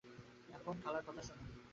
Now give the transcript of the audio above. এখন খালার কথা শোনো।